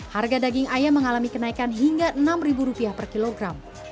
harga daging ayam mengalami kenaikan hingga rp enam per kilogram